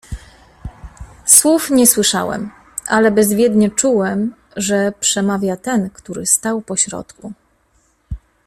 "Słów nie słyszałem, ale bezwiednie czułem, że przemawia ten który stał pośrodku."